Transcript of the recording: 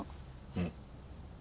うん。